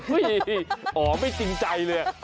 อุ้ยอ๋อไม่จริงใจเลย